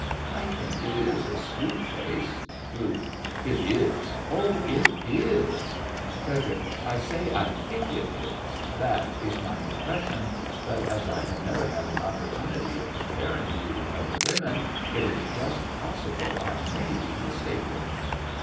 I think it is a sweet face. RUTH: It is — oh, it is! FREDERIC: I say I think it is; that is my impression. But as I have never had an opportunity of comparing you with other women, it is just possible I may be mistaken.